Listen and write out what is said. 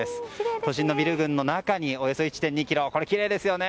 都心のビル群の中におよそ１．２ｋｍきれいですよね。